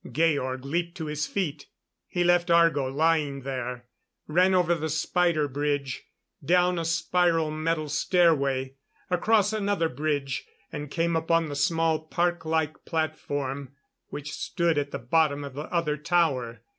Georg leaped to his feet. He left Argo lying there ran over the spider bridge; down a spiral metal stairway, across another bridge, and came upon the small park like platform which stood at the bottom of the other tower.